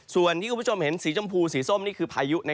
ส่วนที่คุณผู้ชมเห็นสีชมพูสีส้มนี่คือพายุ